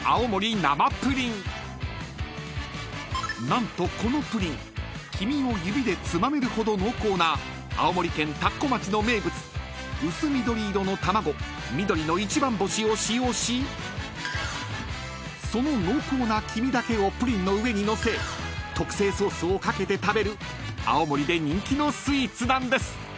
［何とこのプリン黄身を指でつまめるほど濃厚な青森県田子町の名物薄緑色の卵緑の一番星を使用しその濃厚な黄身だけをプリンの上に載せ特製ソースを掛けて食べる青森で人気のスイーツなんです］